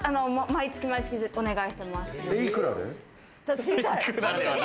毎月毎月お願いしています。